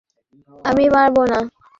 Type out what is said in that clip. আমাকে দে - না, আমি পারব না।